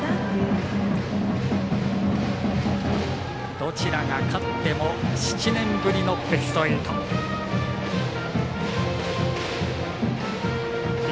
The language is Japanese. どちらが勝っても７年ぶりのベスト８。